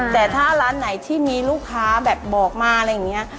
แต่ถ้าร้านไหนที่มีลูกค้าแบบบอกมาอะไรอย่างนี้